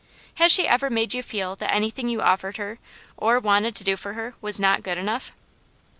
Has she ever made you feel that anything you offered her or wanted to do for her was not good enough?"